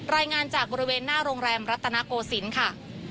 รายงานจากบริเวณหน้าโรงแรมรัตนโกศิลป์ค่ะ